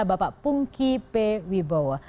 bapak pungki p wibowo